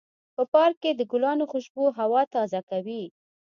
په پارک کې د ګلانو خوشبو هوا تازه کوي.